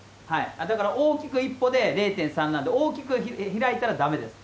だから大きく一歩で０．３なんで、大きく開いたらだめです。